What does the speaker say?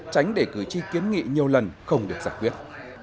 tránh để cử tri kiến nghị nhiều lần không được giải quyết